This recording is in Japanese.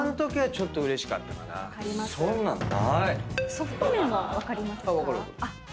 ソフト麺は分かりますか？